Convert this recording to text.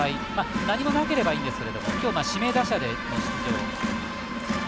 何もなければいいんですけれども今日が指名打者での出場。